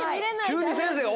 急に先生が。